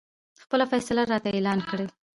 خپله فیصله راته اعلان کړي.